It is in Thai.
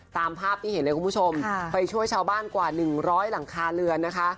ตามภาพที่เห็นเลยคุณผู้ชมไปช่วยชาวบ้านกว่า๑๐๐หลังคาเรือนนะคะ